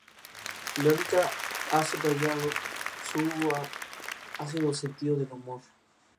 El campeón fue Yokohama F. Marinos, tras vencer en la final a Júbilo Iwata.